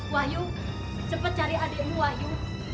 wahyu cepet cari adikmu wahyu